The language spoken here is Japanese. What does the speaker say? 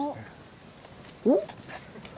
おっ！